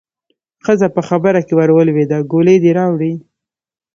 ښځه په خبره کې ورولوېده: ګولۍ دې راوړې؟